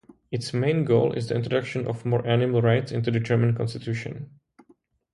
Its main goal is the introduction of more animal rights into the German constitution.